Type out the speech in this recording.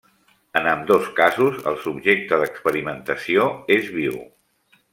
En ambdós casos el subjecte d'experimentació és viu.